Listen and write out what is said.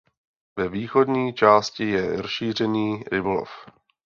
Ve východní části je rozšířený rybolov.